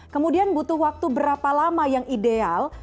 kemudian butuh waktu berapa lama yang ideal